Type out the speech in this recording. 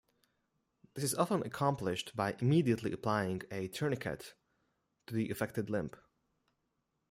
This is often accomplished by immediately applying a tourniquet to the affected limb.